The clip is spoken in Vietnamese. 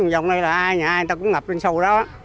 dòng đây là ai nhà ai người ta cũng ngập trên sâu đó